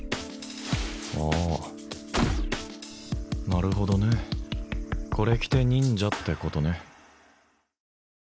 ああなるほどねこれ着て忍者ってことね